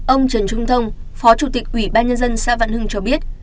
ông trần trung thông phó chủ tịch ủy ban nhân dân xã vạn hưng cho biết